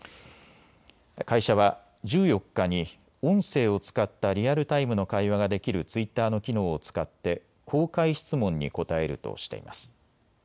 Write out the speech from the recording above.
会社は１４日に音声を使ったリアルタイムの会話ができるツイッターの機能を使って公開質問に答えるとしています。